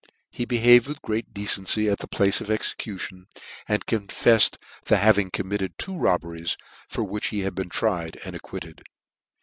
He behaved with p.reat decency at the place of execution, and confefled. the having committed two robberies, for which he had been tried and acquitted.